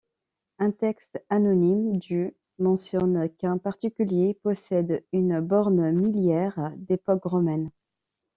Un texte anonyme du mentionne qu’un particulier possède une borne milliaire d'époque romaine.